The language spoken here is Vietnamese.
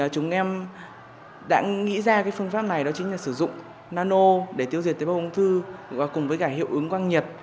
chúng em đã nghĩ ra cái phương pháp này đó chính là sử dụng nano để tiêu diệt tế bào ung thư và cùng với cả hiệu ứng quang nhiệt